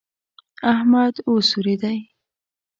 احمد وسورېدی.